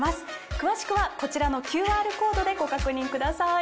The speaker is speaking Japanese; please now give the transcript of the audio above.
詳しくはこちらのＱＲコードでご確認ください。